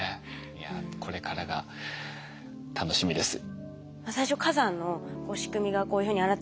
いやこれからが楽しみです。